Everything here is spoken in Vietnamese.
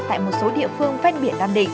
tại một số địa phương vùng biển